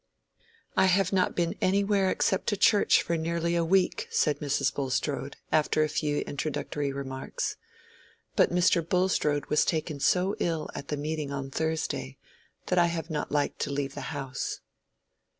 "I have not been anywhere except to church for nearly a week," said Mrs. Bulstrode, after a few introductory remarks. "But Mr. Bulstrode was taken so ill at the meeting on Thursday that I have not liked to leave the house."